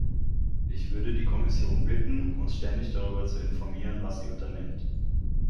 Ich würde die Kommission bitten, uns ständig darüber zu informieren, was sie unternimmt.